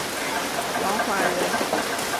王华人。